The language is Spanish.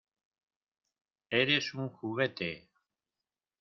¡ Eres un juguete!